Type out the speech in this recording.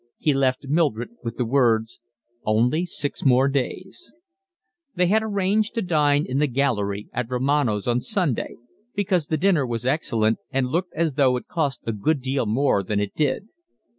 He left Mildred with the words: "Only six days more." They had arranged to dine in the gallery at Romano's on Sunday, because the dinner was excellent and looked as though it cost a good deal more than it did.